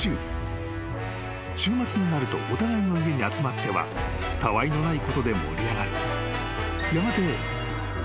［週末になるとお互いの家に集まってはたわいのないことで盛り上がりやがて］